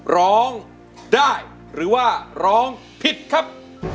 ร้องได้หรือว่าร้องผิดครับ